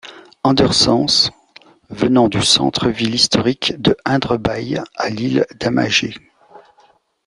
Andersens venant du centre-ville historique de Indre By à l'île d'Amager.